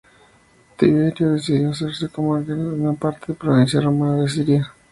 Tiberio decidió hacer de Comagene una parte de la provincia Romana de Siria.